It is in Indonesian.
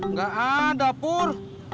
nggak ada pur